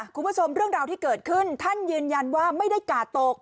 คุณผู้ชมเรื่องราวที่เกิดขึ้นท่านยืนยันว่าไม่ได้กาดตก